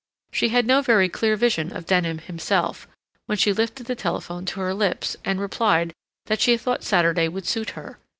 She had no very clear vision of Denham himself, when she lifted the telephone to her lips and replied that she thought Saturday would suit her.